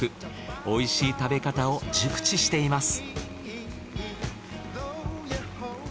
美味しい食べ方を熟知しています。